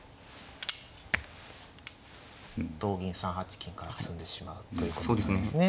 同銀３八金から詰んでしまうということなんですね。